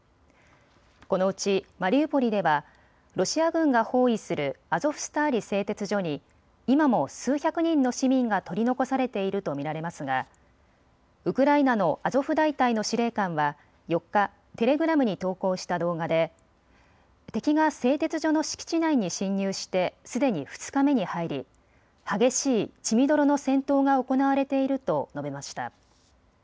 このうちマリウポリではロシア軍が包囲するアゾフスターリ製鉄所に今も数百人の市民が取り残されていると見られますがウクライナのアゾフ大隊の司令官は４日、テレグラムに投稿した動画で敵が製鉄所の敷地内に侵入してすでに２日目に入り激しい血みどろの戦闘が行われていると述べました。